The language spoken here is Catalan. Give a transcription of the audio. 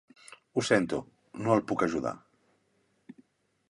Ho sento, no el puc ajudar.